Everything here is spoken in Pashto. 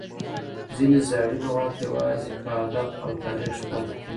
ځینې زاړي لغات یوازي په ادب او تاریخ کښي پاته کیږي.